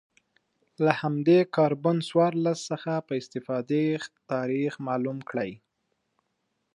له همدې کاربن څوارلس څخه په استفادې تاریخ معلوم کړي